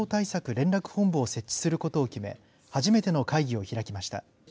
連絡本部を設置することを決め初めての会議を開きました。